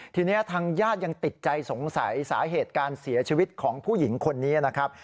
ทีนี้ทางญาติยังติดใจสงสัยสาเหตุการเสียชีวิตของผู้หญิงคนนี้นะครับ